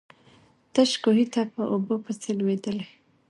تش کوهي ته په اوبو پسي لوېدلی.